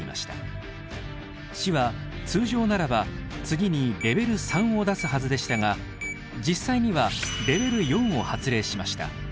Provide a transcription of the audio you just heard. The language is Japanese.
市は通常ならば次にレベル３を出すはずでしたが実際にはレベル４を発令しました。